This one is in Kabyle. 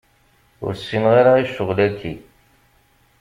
Ur s-ssineɣ ara i ccɣel-aki.